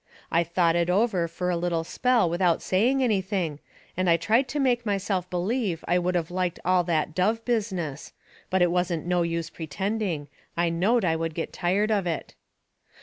I thought it over fur a little spell without saying anything, and I tried to make myself believe I would of liked all that dove business. But it wasn't no use pertending. I knowed I would get tired of it.